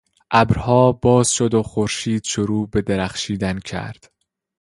ابرها باز شد و خورشید شروع به درخشیدن کرد.